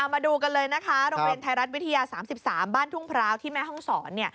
มาดูกันเลยนะคะโรงเรียนไทยรัฐวิทยา๓๓บ้านทุ่งพร้าวที่แม่ห้องศร